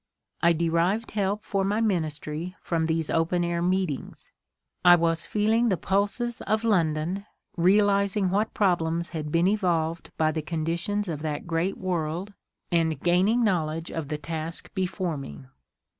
I de rived help for my ministry from these open air meetings. I was feeling the pulses of London, realizing what problems had been evolved by the conditions of that great world, and gain ing knowledge of the task before me.